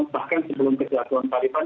bahkan sebelum kejaduan taliban